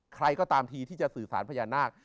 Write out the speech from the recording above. ใครก็ตามทีที่จะสื่อสารพญานาค